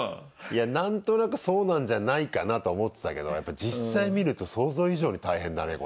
いや何となくそうなんじゃないかなとは思ってたけどやっぱり実際見ると想像以上に大変だね